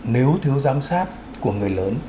nếu thiếu giám sát của người lớn